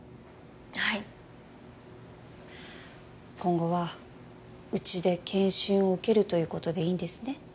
はい今後はうちで健診を受けるということでいいんですね？